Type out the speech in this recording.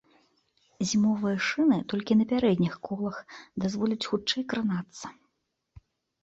Зімовыя шыны толькі на пярэдніх колах дазволяць хутчэй кранацца.